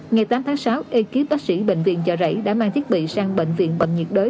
ngày tám tháng sáu ekip bác sĩ bệnh viện chợ rẫy đã mang thiết bị sang bệnh viện bệnh nhiệt đới